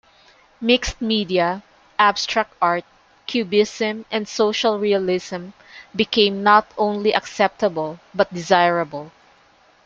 Mixed media, abstract art, cubism, and social realism became not only acceptable, but desirable.